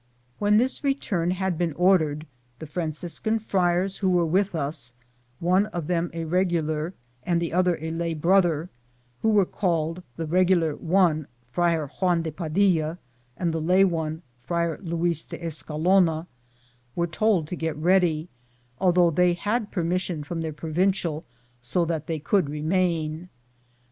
When this return bad been ordered, the Franciscan friars who were with us — one of them a regular and the other a lay brother — who were called, the regular one Friar Juan de Padilla and the lay one Friar Luis de Escalona, were told to get ready, although they had permission from their provincial so that they could remain.